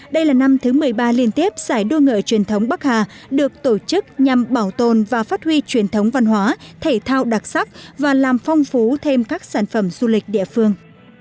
đây là năm thứ một mươi ba liên tiếp giải đua ngựa truyền thống bắc hà được tổ chức nhằm bảo tồn và phát huy truyền thống văn hóa thể thao đặc sắc và làm phong phú thêm các sản phẩm du lịch địa phương